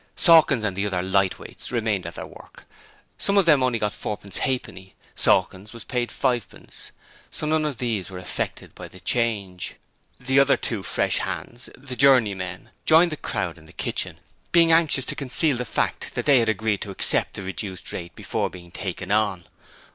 Sawkins and the other 'lightweights' remained at their work. Some of them got only fourpence halfpenny Sawkins was paid fivepence so none of these were affected by the change. The other two fresh hands the journeymen joined the crowd in the kitchen, being anxious to conceal the fact that they had agreed to accept the reduced rate before being 'taken on'.